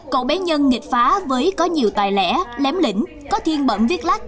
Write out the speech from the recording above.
cậu bé nhân nghịch phá với có nhiều tài lẽ lém lĩnh có thiên bẩn viết lắc